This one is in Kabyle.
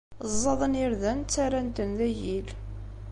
Ẓẓaden irden, ttarran-ten d agil.